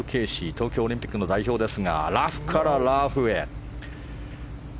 東京オリンピックの代表ですがラフからラフへ。